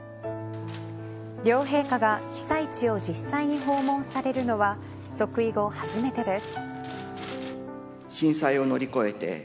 両陛下が被災地を実際に訪問されるのは即位後初めてです。